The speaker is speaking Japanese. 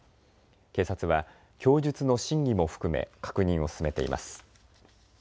警察は供述の真偽も含め確認を進めています。